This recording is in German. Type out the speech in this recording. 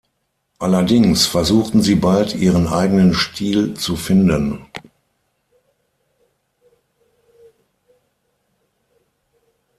Allerdings versuchten sie bald, ihren eigenen Stil zu finden.